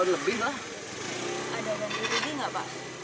ada dan diberi nggak pak